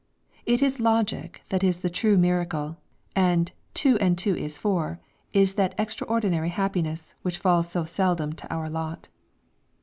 It is logic that is the true miracle, and "two and two is four" is that extraordinary happiness, which falls so seldom to our lot!